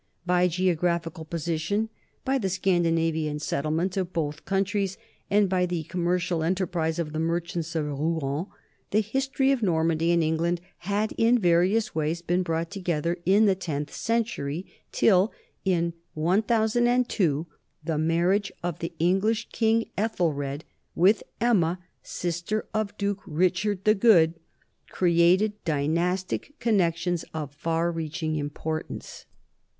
By geographi cal position, by the Scandinavian settlement of both countries, and by the commercial enterprise of the mer chants of Rouen, the history of Normandy and Eng land had in various ways been brought together in the tenth century, till in 1002 the marriage of the English king Ethelred with Emma, sister of Duke Richard the Good, created dynastic connections of far reaching im portance.